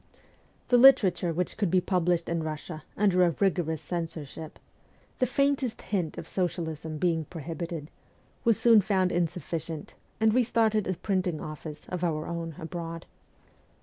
The literature which could be published in Eussia under a rigorous censorship the faintest hint of socialism being prohibited was soon found insufficient, and we started a printing office of our own abroad.